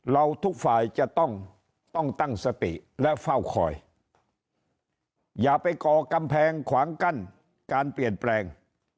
ทุกฝ่ายจะต้องต้องตั้งสติและเฝ้าคอยอย่าไปก่อกำแพงขวางกั้นการเปลี่ยนแปลง